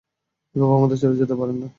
এভাবে আমাদের ছেড়ে যেতে পারেন না!